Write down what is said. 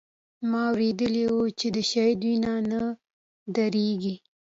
ما اورېدلي و چې د شهيد وينه نه درېږي.